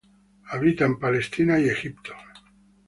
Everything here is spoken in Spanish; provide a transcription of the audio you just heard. Habita en Israel y Egipto.